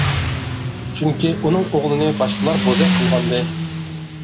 چۈنكى ئۇنىڭ ئوغلىنى باشقىلار بوزەك قىلغانىدى.